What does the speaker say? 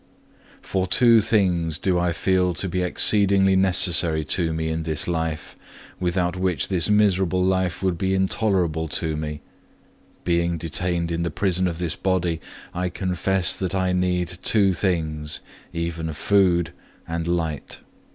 4. For two things do I feel to be exceedingly necessary to me in this life, without which this miserable life would be intolerable to me; being detained in the prison of this body, I confess that I need two things, even food and light.